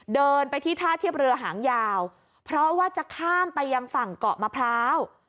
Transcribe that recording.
เดินไปที่ท่าเทียบเรือหางยาวเพราะว่าจะข้ามไปยังฝั่งเกาะมะพร้าว